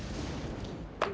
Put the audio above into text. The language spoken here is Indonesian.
dipukul sama suami saya